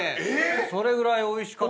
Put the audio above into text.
それぐらいおいしかった？